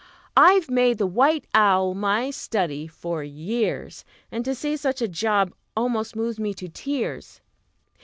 I've made the white owl my study for years, And to see such a job almost moves me to tears!